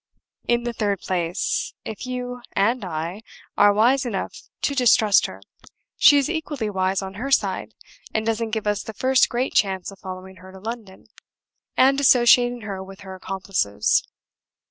In the third place, if you (and I) are wise enough to distrust her, she is equally wise on her side, and doesn't give us the first great chance of following her to London, and associating her with her accomplices.